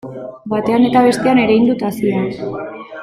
Batean eta bestean erein dut hazia.